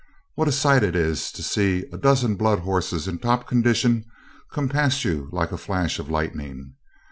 What a sight it is to see a dozen blood horses in top condition come past you like a flash of lightning!